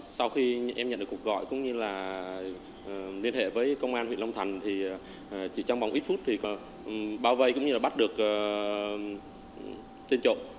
sau khi em nhận được cuộc gọi cũng như là liên hệ với công an huyện long thành thì chỉ trong vòng ít phút thì bao vây cũng như là bắt được trên trộm